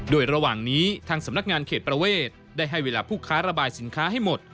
โดยระหว่างนี้ทางสำนักงานเขตประเวทได้ให้เวลาผู้ค้าระบายสินค้าให้หมด